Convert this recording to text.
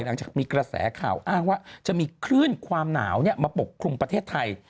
หลังจากมีกระแสข่าวอ้างว่าจะมีคลื่นความหนาวมาปกครุมประเทศไทย